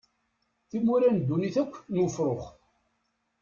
Timura n ddunit akk n ufrux.